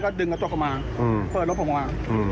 ก็ดึงกระจกออกมาเปิดรถผมออกมา